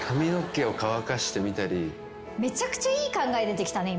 めちゃくちゃいい考え出てきたね今ね。